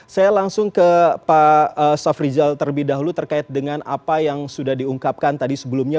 saya langsung ke pak safrizal terlebih dahulu terkait dengan apa yang sudah diungkapkan tadi sebelumnya